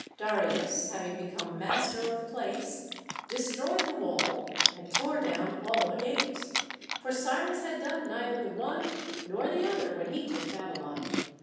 Darius having become master of the place, destroyed the wall, and tore down^all the gates; for Cyrus had done neither the one nor the other when he took Babylon.